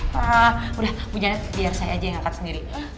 hah udah bu janet biar saya aja yang angkat sendiri